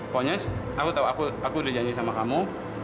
ponyes aku tau aku udah janji sama kamu